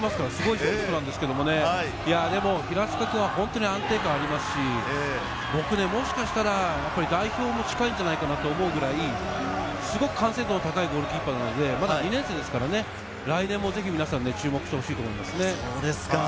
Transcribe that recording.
でも平塚君は本当に安定感がありますし、僕、もしかしたら代表も近いんじゃないかなと思うくらい、完成度の高いゴールキーパーなので、まだ２年生ですからね、来年も注目してほしいと思います。